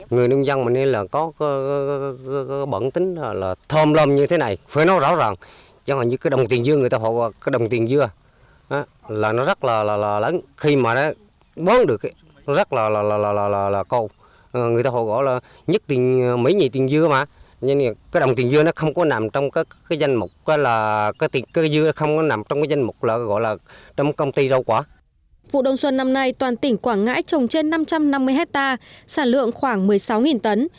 vụ đồng xuân năm nay toàn tỉnh quảng ngãi trồng trên năm trăm năm mươi hectare sản lượng khoảng một mươi sáu tấn